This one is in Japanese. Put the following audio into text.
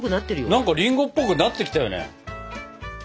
何かりんごっぽくなってきたよね。